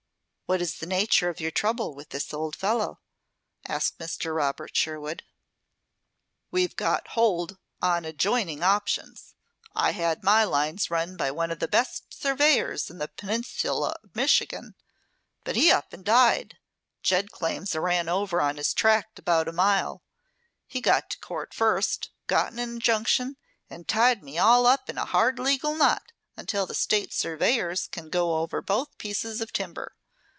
"What is the nature of your trouble with this old fellow?" asked Mr. Robert Sherwood. "We've got hold on adjoining options. I had my lines run by one of the best surveyors in the Peninsula of Michigan. But he up and died. Ged claims I ran over on his tract about a mile. He got to court first, got an injunction, and tied me all up in a hard legal knot until the state surveyors can go over both pieces of timber.